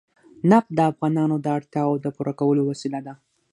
نفت د افغانانو د اړتیاوو د پوره کولو وسیله ده.